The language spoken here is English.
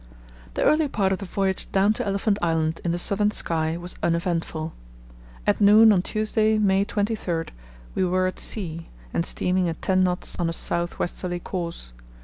The early part of the voyage down to Elephant Island in the Southern Sky was uneventful. At noon on Tuesday, May 23, we were at sea and steaming at ten knots on a south westerly course.